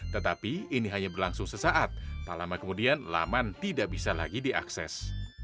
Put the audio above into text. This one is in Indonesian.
tetapi ini hanya berlangsung sesaat tak lama kemudian laman tidak bisa lagi diakses